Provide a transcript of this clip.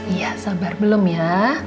iya sabar belum ya